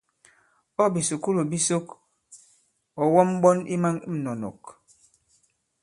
Ɔ̂ bìsùkulù bi sok, ɔ̀ wɔm ɓɔn i manɔ̀nɔ̀k.